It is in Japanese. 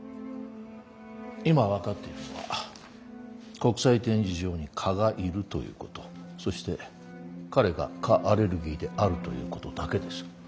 今分かっているのは国際展示場に蚊がいるということそして彼が蚊アレルギーであるということだけです。